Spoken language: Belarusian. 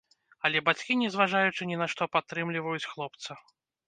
Але бацькі, не зважаючы ні на што, падтрымліваюць хлопца.